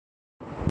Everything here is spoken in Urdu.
عرض ہونا